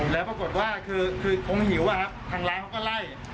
แล้วปรากฏว่าคือเขาไม่หิววะทางร้านก็เลยเค้าไล่